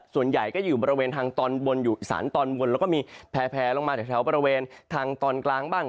ส่วนใหญ่ก็อยู่บริเวณทางตอนบนอยู่อีสานตอนบนแล้วก็มีแผลลงมาจากแถวบริเวณทางตอนกลางบ้าง